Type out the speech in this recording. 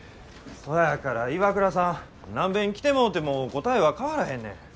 そやから岩倉さん何べん来てもうても答えは変わらへんねん。